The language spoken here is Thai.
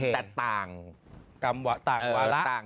แต่ต่างวาระ